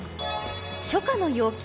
初夏の陽気。